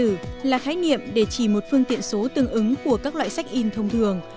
điện tử là khái niệm để chỉ một phương tiện số tương ứng của các loại sách in thông thường